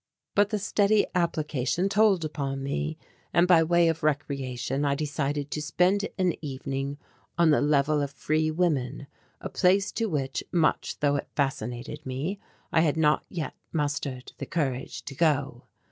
But the steady application told upon me, and, by way of recreation, I decided to spend an evening on the Level of Free Women, a place to which, much though it fascinated me, I had not yet mustered the courage to go.